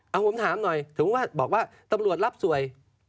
เอาผมถามหน่อยถึงว่าบอกว่าตำรวจรับสวย